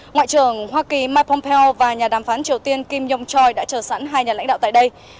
ngoại trưởng hoa kỳ mike pompeo và nhà đàm phán triều tiên kim jong choi đã chờ sẵn hai nhà lãnh đạo tại đây